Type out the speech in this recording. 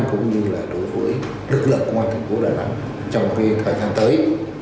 cũng như là đối với lực lượng công an thành phố đà nẵng trong thời gian tới